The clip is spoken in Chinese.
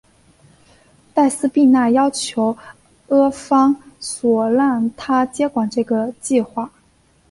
黛丝碧娜要求阿方索让她接管这个计画。